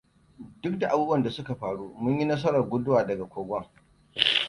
Duk da abubuwan da suka faru, mun yi nasarar guduwa daga kogon.